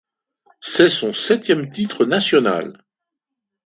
C’est son septième titre national.